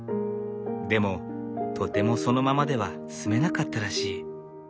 でもとてもそのままでは住めなかったらしい。